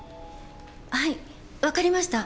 はいわかりました。